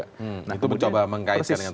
itu mencoba mengaitkan dengan partai lain